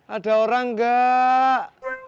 ada orang enggak